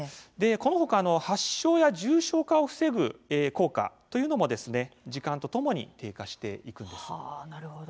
このほか発症や重症化を防ぐ効果というのも時間とともになるほど。